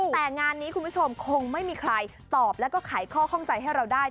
แต่งานนี้คุณผู้ชมคงไม่มีใครตอบแล้วก็ไขข้อข้องใจให้เราได้